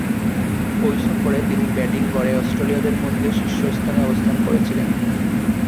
ঐ সফরে তিনি ব্যাটিং গড়ে অস্ট্রেলীয়দের মধ্যে শীর্ষস্থানে অবস্থান করেছিলেন।